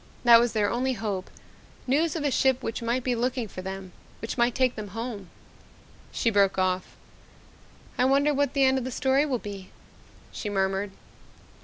That was their only hope news of a ship which might be looking for them, which might take them home " She broke off. "I wonder what the end of the story will be?" she murmured.